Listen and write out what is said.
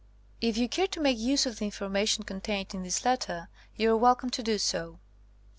If you care to make use of the in formation contained in this letter, you are welcome to do so.